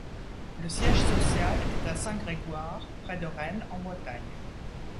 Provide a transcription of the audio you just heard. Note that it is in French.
Le siège social est à Saint-Grégoire, près de Rennes, en Bretagne.